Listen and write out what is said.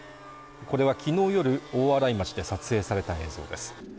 これは昨日夜大洗町で撮影された映像です